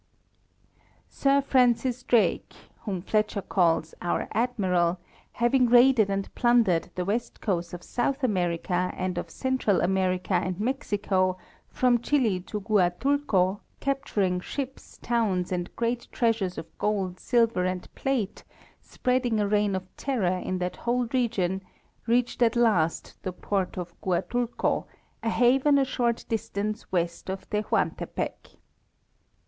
Sir Francis Drake (whom Fletcher calls our Admiral), having raided and plundered the west coast of South America and of (208) Disagreement of Latitudes. 209 Central America and Mexico from Chili to Guatulco, capturing ships, towns and great treasures of gold, silver and plate, spread ing a reign of terror in that whole region, reached at last the port of Guatulco, a haven a short distance west of Tehuantepec.